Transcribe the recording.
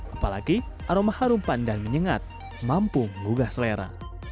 apalagi aroma harum pandan menyengat mampu menggugah selera